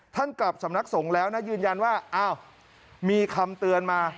กลับสำนักสงฆ์แล้วนะยืนยันว่าอ้าวมีคำเตือนมา